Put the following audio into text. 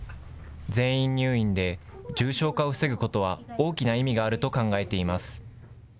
全員入院で重症化を防ぐことは大きな意味があると考えています。